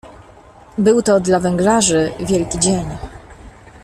"Był to dla „węglarzy” wielki dzień."